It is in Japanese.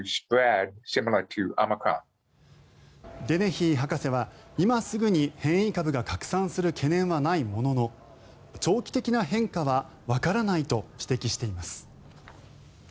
デネヒー博士は今すぐに変異株が拡散する懸念はないものの長期的な変化はわからないと指摘しています。